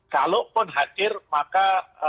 kalaupun hadir maka